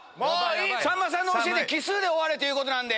さんまさんの教えで奇数で終われ！ということなんで。